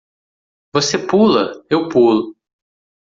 Você pula? eu pulo.